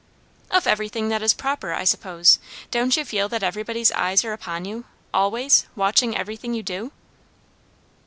"Of everything that is proper, I suppose. Don't you feel that everybody's eyes are upon you, always, watching everything you do?"